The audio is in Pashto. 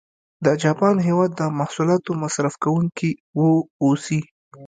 د جاپان هېواد د محصولاتو مصرف کوونکي و اوسي.